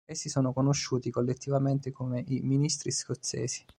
Essi sono conosciuti collettivamente come i "ministri scozzesi".